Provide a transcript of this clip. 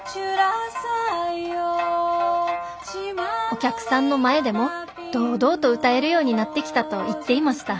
「お客さんの前でも堂々と歌えるようになってきたと言っていました」。